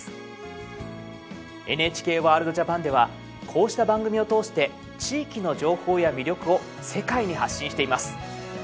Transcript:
ＮＨＫワールドＪＡＰＡＮではこうした番組を通して地域の情報や魅力を世界に発信しています。